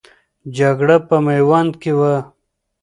جګړه په میوند کې وه.